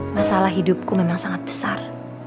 masalah hidupku memang sangat besar